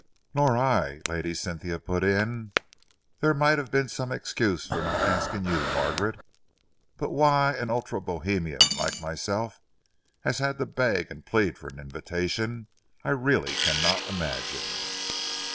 "Nor I," Lady Cynthia put in. "There might have been some excuse for not asking you, Margaret, but why an ultra Bohemian like myself has had to beg and plead for an invitation, I really cannot imagine."